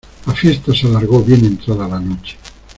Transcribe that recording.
La fiesta se alargó bien entrada la noche.